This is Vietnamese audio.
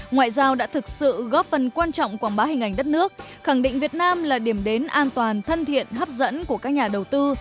ngoại giao đã thực sự góp phần quan trọng quảng bá hình ảnh đất nước khẳng định việt nam là điểm đến an toàn thân thiện hấp dẫn của các nhà đầu tư